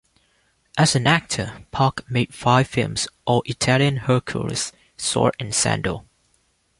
As an actor, Park made five films - all Italian Hercules sword and sandal.